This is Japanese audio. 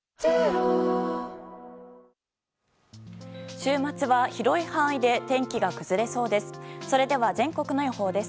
週末は広い範囲で天気が崩れそうです。